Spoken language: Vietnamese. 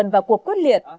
và cuộc quyết liệt